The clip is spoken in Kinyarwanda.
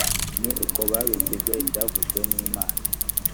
ni uko babikijwe ibyavuzwe n imana